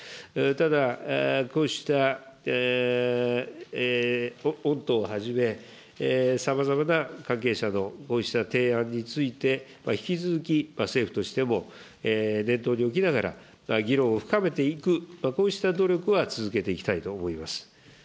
ただ、こうした御党をはじめ、さまざまな関係者のこうした提案について、引き続き、政府としても念頭に置きながら、議論を深めていく、こうした努力は続けていきたいと思います。